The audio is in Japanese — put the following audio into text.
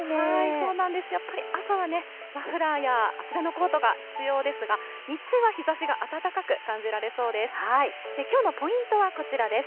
そうなんですよ、やっぱり朝はマフラーや厚手のコートが必要ですが、日中は日ざしが暖かく感じられそうです。